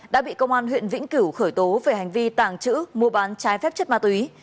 đã bị công an huyện vĩnh cửu khởi tố về hành vi tàng trữ mua bán trái phép chất ma túy